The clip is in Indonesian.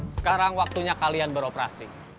sekarang waktunya kalian beroperasi